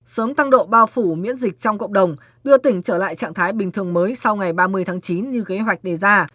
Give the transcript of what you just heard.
sớm tăng độ bao phủ miễn dịch trong cộng đồng đưa tỉnh trở lại trạng thái bình thường mới sau ngày ba mươi tháng chín như kế hoạch đề ra